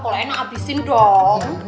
kalau enak abisin dong